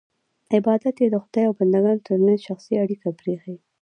عبادت یې د خدای او بندګانو ترمنځ شخصي اړیکه پرېښی.